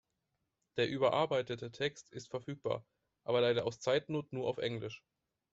Der überarbeitete Text ist verfügbar, aber leider aus Zeitnot nur auf englisch.